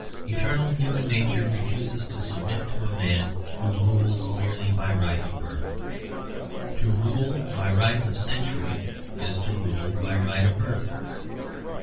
Eternal human nature refuses to submit to a man who rules merely by right of birth. To rule by right of century is to rule by right of birth.